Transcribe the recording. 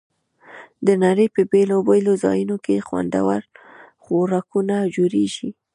د نړۍ په بېلابېلو ځایونو کې خوندور خوراکونه جوړېږي.